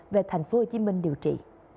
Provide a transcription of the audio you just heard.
về thành phố hồ chí minh điều trị